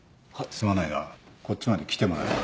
すまないがこっちまで来てもらえるか？